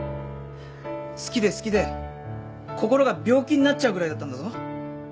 好きで好きで心が病気になっちゃうぐらいだったんだぞ。